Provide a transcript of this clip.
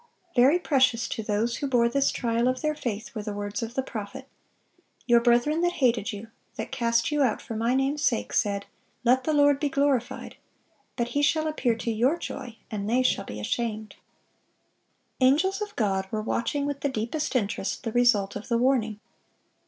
Very precious to those who bore this trial of their faith were the words of the prophet, "Your brethren that hated you, that cast you out for My name's sake, said, Let the Lord be glorified: but He shall appear to your joy, and they shall be ashamed."(615) Angels of God were watching with the deepest interest the result of the warning.